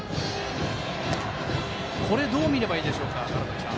これ、どう見ればいいでしょうか。